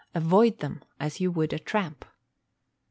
Avoid them as you would a tramp.